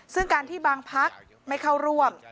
ซึ่งการที่บางพักไม่เข้าร่วม